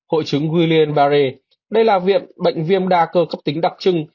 hội chứng william barre đây là việm bệnh viêm đa cơ cấp tính đặc trưng